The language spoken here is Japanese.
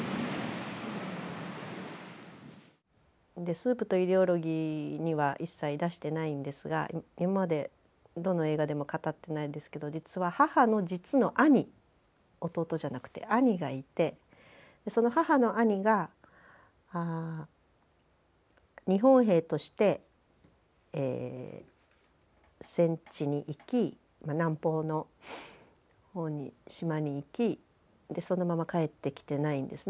「スープとイデオロギー」には一切出してないんですが今までどの映画でも語ってないですけど実は母の実の兄弟じゃなくて兄がいてその母の兄が日本兵として戦地に行き南方の方に島に行きでそのまま帰ってきてないんですね。